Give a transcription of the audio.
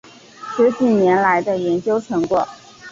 十几年来的研究成果